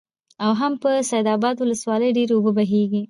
او هم په سيدآباد ولسوالۍ ډېرې اوبه بهيږي،